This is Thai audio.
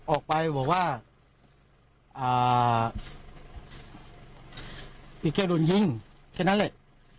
ออฟาลโน่นที่มากขึ้นแหละ